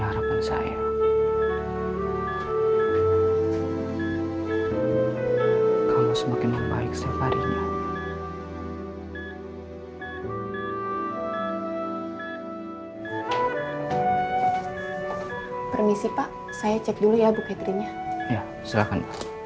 hai permisi pak saya cek dulu ya buktinya ya silahkan